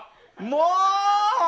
もう！